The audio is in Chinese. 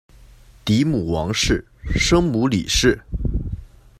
嫡母王氏；生母李氏。